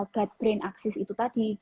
gerd brain axis itu tadi